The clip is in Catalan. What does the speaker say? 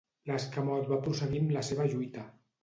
L'escamot va prosseguir amb la seva lluita.